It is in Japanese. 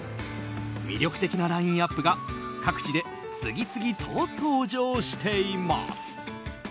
魅力的なラインアップが各地で次々と登場しています。